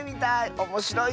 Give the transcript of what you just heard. おもしろいね。